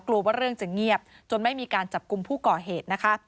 กลัวว่าเรื่องจะเงียบจนไม่มีการจับกลุ่มผู้ก่อเหตุนะคะ